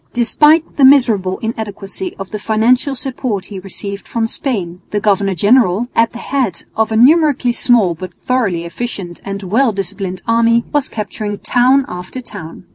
Despite the miserable inadequacy of the financial support he received from Spain, the governor general, at the head of a numerically small but thoroughly efficient and well disciplined army, was capturing town after town.